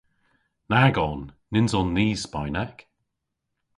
Nag on. Nyns on ni Spaynek.